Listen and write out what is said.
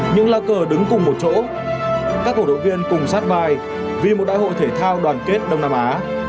những lá cờ đứng cùng một chỗ các cổ động viên cùng sát mai vì một đại hội thể thao đoàn kết đông nam á